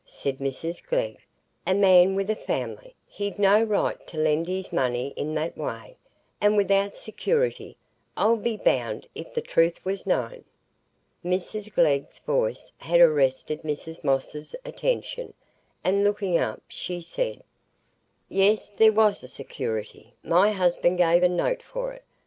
said Mrs Glegg. "A man with a family! He'd no right to lend his money i' that way; and without security, I'll be bound, if the truth was known." Mrs Glegg's voice had arrested Mrs Moss's attention, and looking up, she said: "Yes, there was security; my husband gave a note for it.